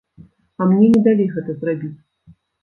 Але мне не далі гэта зрабіць.